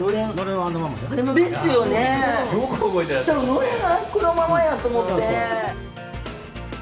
のれんはこのままやと思って。